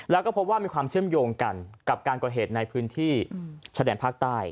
แล้วก็พบว่ามีความเชื่อมโยงกันกับการก่อเหตุในพื้นที่ชะแดนภาคใต้